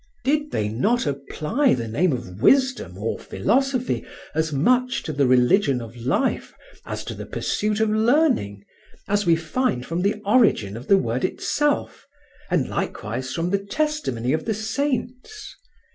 Did they not apply the name of wisdom or philosophy as much to the religion of life as to the pursuit of learning, as we find from the origin of the word itself, and likewise from the testimony of the saints?